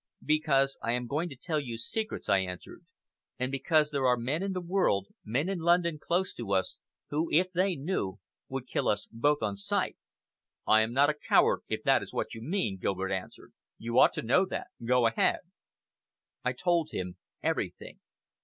"Because I am going to tell you secrets," I answered, "and because there are men in the world, men in London close to us, who, if they knew, would kill us both on sight." "I am not a coward, if that is what you mean," Gilbert answered. "You ought to know that. Go ahead." I told him everything.